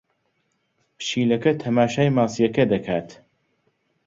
پشیلەکە تەماشای ماسییەکە دەکات.